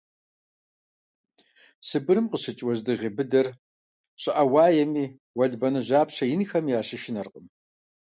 Сыбырым къыщыкӀ уэздыгъей быдэр щӀыӀэ уаеми, уэлбанэ, жьапщэ инхэми ящышынэркъым.